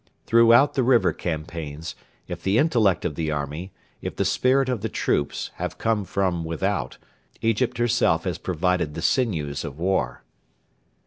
Throughout the river campaigns, if the intellect of the army, if the spirit of the troops, have come from without, Egypt herself has provided the sinews of war.